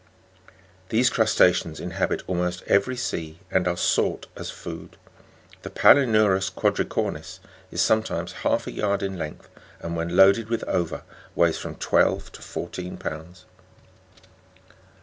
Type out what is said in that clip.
These crusta'ceans inhabit almost every sea, and are sought as food. The Palinu'rus 'quad ricornis is sometimes half a yard in length, and when loaded with ova weighs from twelve to fourteen pounds.